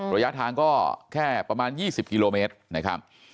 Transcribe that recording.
ระยะทางก็แค่ประมาณ๒๐กิโลเมตรนะครับ